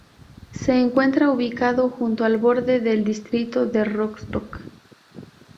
Se encuentra ubicado junto al borde del distrito de Rostock.